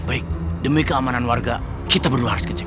baik demi keamanan warga kita berdua harus kecewa